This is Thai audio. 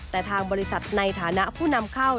แต่ทางบริษัทในฐานะผู้นำเข้า